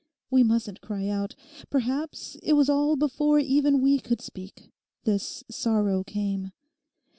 We mustn't cry out. Perhaps it was all before even we could speak—this sorrow came.